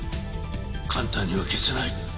簡単には消せない。